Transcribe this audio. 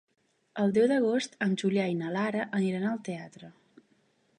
El deu d'agost en Julià i na Lara aniran al teatre.